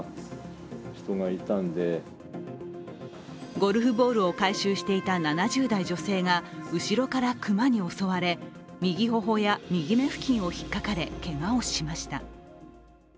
ゴルフボールを回収していた７０代女性が後ろから熊に襲われ、右頬や右目付近をひっかかれ、けがをしました。